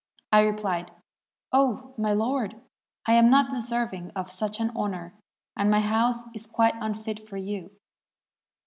I replied, 'O my lord! I am not deserving of such an honor, and my house is quite un fit for you.'